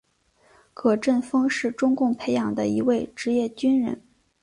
葛振峰是中共培养的一位职业军人。